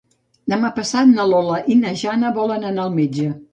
Demà passat na Lola i na Jana volen anar al metge.